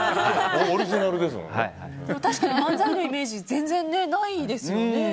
確かに漫才のイメージ全然ないですよね。